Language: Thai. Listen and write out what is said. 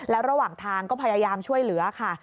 แล้วระหว่างทางก็พยายามช่วยเหลือค่ะ